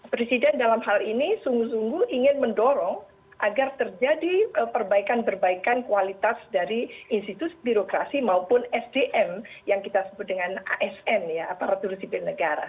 presiden dalam hal ini sungguh sungguh ingin mendorong agar terjadi perbaikan perbaikan kualitas dari institusi birokrasi maupun sdm yang kita sebut dengan asn ya aparatur sipil negara